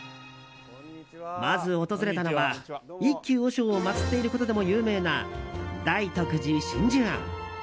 まず訪れたのは、一休和尚を祭っていることでも有名な大徳寺・真珠庵。